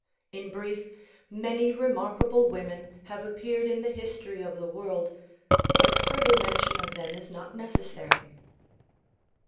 In brief, many remarkable women have appeared in the history of the world but further men tion of them is not necessary.